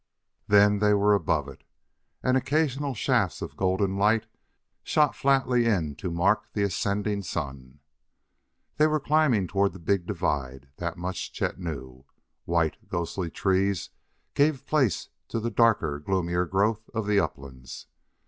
Then they were above it, and occasional shafts of golden light shot flatly in to mark the ascending sun. They were climbing toward the big divide, that much Chet knew. White, ghostly trees gave place to the darker, gloomier growth of the uplands.